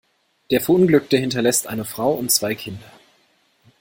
Der Verunglückte hinterlässt eine Frau und zwei Kinder.